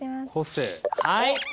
はい。